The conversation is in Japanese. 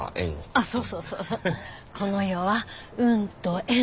ああそうそうそうこの世は運と縁。